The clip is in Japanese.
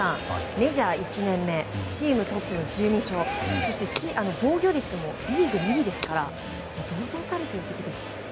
メジャー１年目チームトップの１２勝、そして防御率もリーグ２位ですから堂々たる成績ですよね。